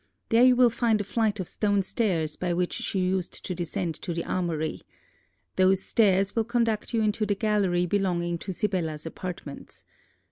There you will find a flight of stone stairs, by which she used to descend to the armoury. Those stairs will conduct you into the gallery belonging to Sibella's apartments.